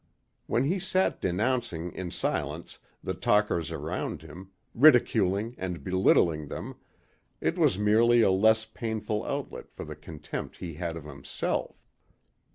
When he sat denouncing in silence the talkers around him, ridiculing and belittling them, it was merely a less painful outlet for the contempt he had of himself.